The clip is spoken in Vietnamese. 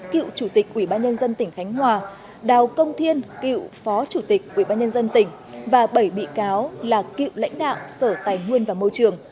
cựu chủ tịch ủy ban nhân dân tỉnh khánh hòa đào công thiên cựu phó chủ tịch ủy ban nhân dân tỉnh và bảy bị cáo là cựu lãnh đạo sở tài nguyên và môi trường